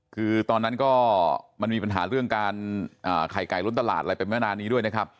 คือตอนนั้นก็มันมีปัญหาเรื่องการไข่ไก่ล้นตลาดอะไรไปไม่นานนี้ด้วยนะครับ